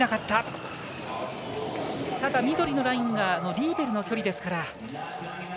ただ、緑のラインはリーベルの距離ですから。